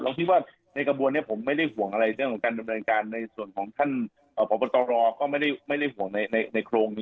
คิดว่าในกระบวนนี้ผมไม่ได้ห่วงอะไรเรื่องของการดำเนินการในส่วนของท่านพบตรก็ไม่ได้ห่วงในโครงนี้